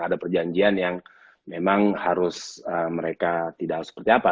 ada perjanjian yang memang harus mereka tidak seperti apa